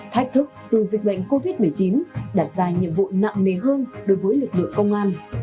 thách thức từ dịch bệnh covid một mươi chín đặt ra nhiệm vụ nặng nề hơn đối với lực lượng công an